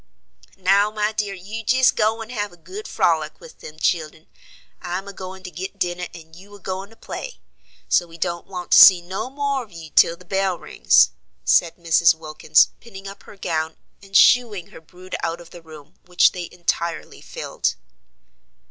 "Now, my dear, you jest go and have a good frolic with them childern, I'm a goin' to git dinner, and you a goin' to play; so we don't want to see no more of you till the bell rings," said Mrs. Wilkins pinning up her gown, and "shooing" her brood out of the room, which they entirely filled.